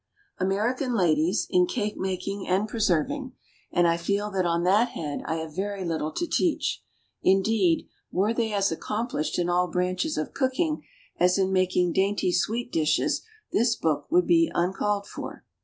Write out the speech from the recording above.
_ AMERICAN ladies, as a rule, excel in cake making and preserving, and I feel that on that head I have very little to teach; indeed, were they as accomplished in all branches of cooking as in making dainty sweet dishes this book would be uncalled for.